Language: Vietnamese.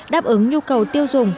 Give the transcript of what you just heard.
đáp ứng nhu cầu tiêu dùng